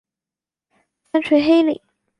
三陲黑岭。